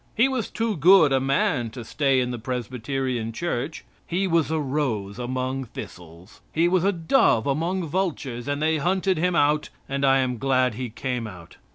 He was too good a man to stay in the Presbyterian church. He was a rose among thistles. He was a dove among vultures and they hunted him out, and I am glad he came out.